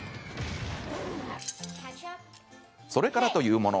それからというもの